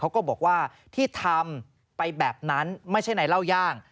ก็บอกว่าที่ทำไปแบบนั้นไม่ใช่ในเหล้าย่าง